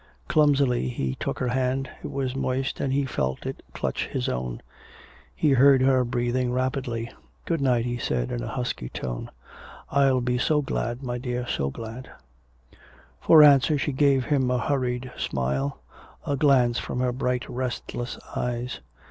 Clumsily he took her hand. It was moist and he felt it clutch his own. He heard her breathing rapidly. "Good night," he said in a husky tone. "I'll be so glad, my dear, so glad." For answer she gave him a hurried smile, a glance from her bright restless eyes.